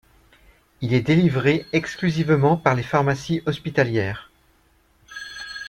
Il est délivré exclusivement par les pharmacies hospitalières.